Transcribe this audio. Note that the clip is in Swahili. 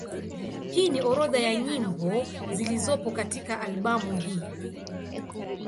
Hii ni orodha ya nyimbo zilizopo katika albamu hii.